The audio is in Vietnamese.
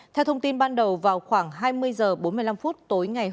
theo thông tin ban đầu vào khoảng hai mươi h bốn mươi năm phút tối ngày hôm nay